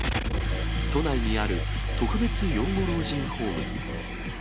都内にある特別養護老人ホーム。